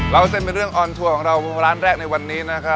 เส้นเป็นเรื่องออนทัวร์ของเราร้านแรกในวันนี้นะครับ